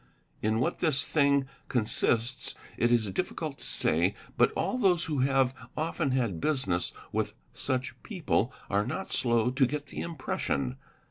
In what this thing consists it is difficult to say, but all those who have often had business with such people are not slow to get the impression.